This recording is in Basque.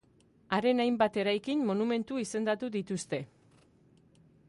Haren hainbat eraikin monumentu izendatu dituzte.